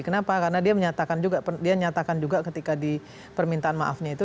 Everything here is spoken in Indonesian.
kenapa karena dia menyatakan juga dia nyatakan juga ketika di permintaan maafnya itu